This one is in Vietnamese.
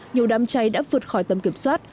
nhiều đám cháy đã vượt khỏi tầm kiểm soát